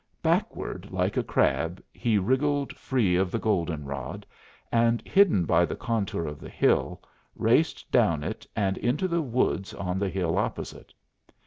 Backward, like a crab he wriggled free of the goldenrod, and hidden by the contour of the hill, raced down it and into the woods on the hill opposite.